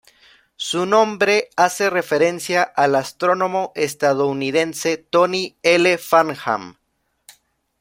Su nombre hace referencia al astrónomo estadounidense Tony L. Farnham.